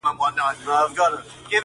تښتي خوب له شپو څخه، ورځي لکه کال اوږدې!.